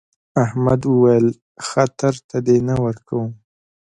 احمد وويل: خطر ته دې نه ورکوم.